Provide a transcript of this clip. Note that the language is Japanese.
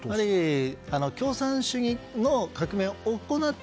共産主義の革命を行った